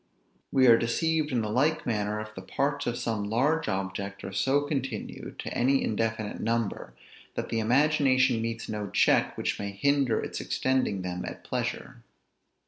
We are deceived in the like manner, if the parts of some large object are so continued to any indefinite number, that the imagination meets no check which may hinder its extending them at pleasure.